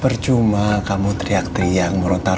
percuma kamu teriak teriak merontok terian